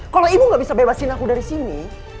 kalau ibu gak bisa bebasin aku dari sini